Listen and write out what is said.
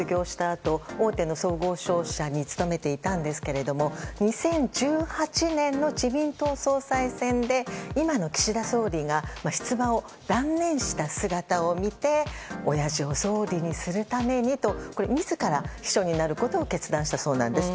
あと大手の総合商社に勤めていたんですが２０１８年の自民党総裁選で今の岸田総理が出馬を断念した姿を見ておやじを総理にするためにと自ら秘書になることを決断したそうなんです。